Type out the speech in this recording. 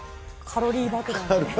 カロリー爆弾。